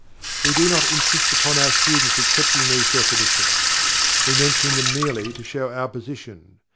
we do not insist upon our students accepting these definitions we mention them merely to show our position.